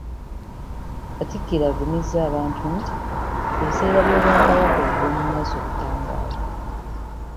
Katikkiro agumizza abantu nti ebiseera by'Obwakabaka eby'omumaaso bitangaavu